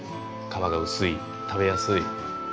皮が薄い食べやすい。